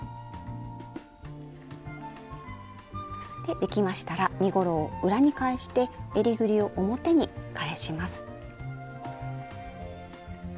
できましたら身ごろを裏に返してえりぐりを表に返します。